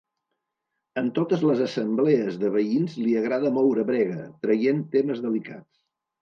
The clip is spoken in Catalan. En totes les assemblees de veïns li agrada moure brega, traient temes delicats.